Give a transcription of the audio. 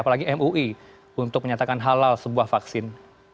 apalagi mui untuk menyatakan halal sebuah vaksin